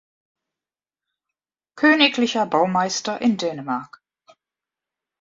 Königlicher Baumeister in Dänemark.